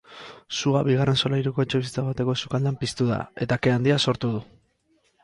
Sua bigarren solairuko etxebizitza bateko sukaldean piztu da eta ke handia sortu du.